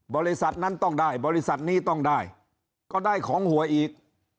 บริษัทนั้นต้องได้บริษัทนี้ต้องได้ก็ได้ของหวยอีก